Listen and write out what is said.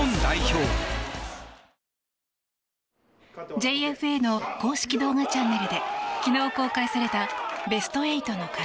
ＪＦＡの公式動画チャンネルで昨日公開された「ベスト８の壁